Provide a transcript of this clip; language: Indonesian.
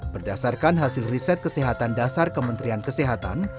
berdasarkan hasil riset kesehatan dasar kementerian kesehatan